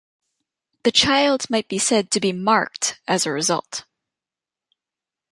The child might be said to be "marked" as a result.